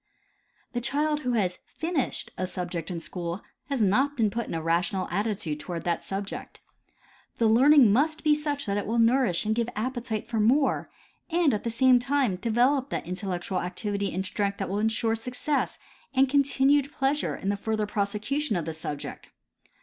The child who has finished a subject in school has not been put in a rational attitude toward that subject. The learning must be such that it will nourish and give appetite for more, and at the same time develop that intellectual activity and strength that will insure success and continued pleasure in the further prosecution of the subject.